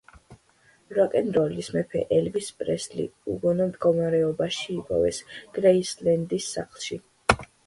როკენროლის მეფე ელვის პრესლი უგონო მდგომარეობაში იპოვეს გრეისლენდის სახლში.